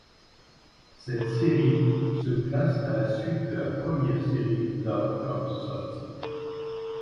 Cette série se place à la suite de la première série Love Comes Softy.